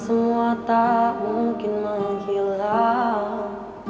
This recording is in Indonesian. semua tak mungkin menghilang